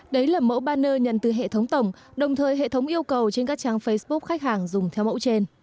đấy là mẫu banner nhận từ hệ thống tổng đồng thời hệ thống yêu cầu trên các trang facebook khách hàng dùng theo mẫu trên